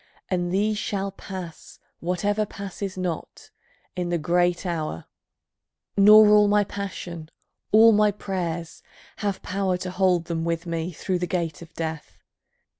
And these shall pass, Whatever passes not, in the great hour, Nor all my passion, all my prayers, have power To hold them with me through the gate of Death.